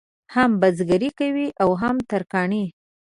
هم بزګري کوي او هم ترکاڼي.